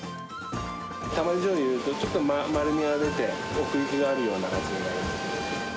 たまりじょうゆ、ちょっと丸みが出て、奥行きがあるような味になります。